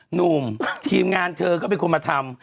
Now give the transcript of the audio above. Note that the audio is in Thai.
หนุ่มทีมงานเธอก็เป็นคนมาทำ